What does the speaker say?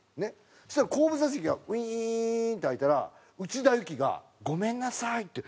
そしたら後部座席ウィーンって開いたら内田有紀が「ごめんなさい」って。